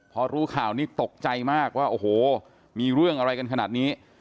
พอรู้ข่าวนี้ตกใจมากว่าโอ้โหมีเรื่องอะไรกันขนาดนี้